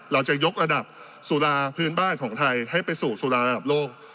เราจะยกระดับสุราพื้นบ้านของไทยให้ไปสู่สุราระดับโลก